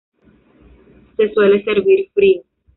Se suele servir frío.